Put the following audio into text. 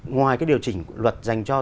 ngoài điều chỉnh luật dành cho